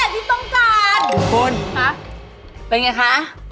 ทุกคนเป็นไงคะ